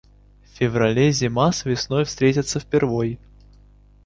В феврале зима с весной встретятся впервой.